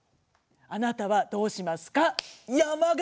あなたはどうしますか。